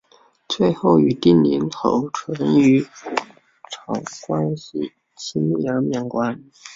最后与定陵侯淳于长关系亲密而免官。